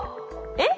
えっ？